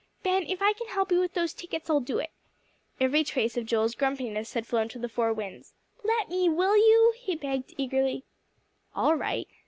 "Ben, if I can help you with those tickets I'll do it." Every trace of Joel's grumpiness had flown to the four winds. "Let me, will you?" he begged eagerly. "All right."